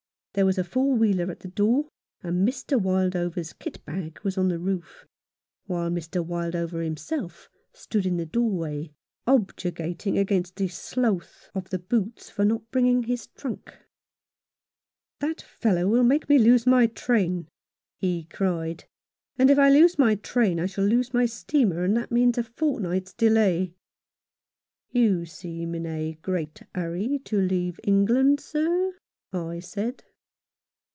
There was a four wheeler at the door, and Mr. Wildover's kit bag was on the roof, while Mr. Wildover himself stood in the doorway, objurgat ing against the sloth of the Boots for not bringing his trunk. " That fellow will make me lose my train," he cried, "and if I lose my train I shall lose my steamer, and that means a fortnight's delay." "You seem in a great hurry to leave England, sir," I said.